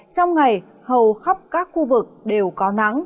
trong ngày hầu khắp các khu vực đều có nắng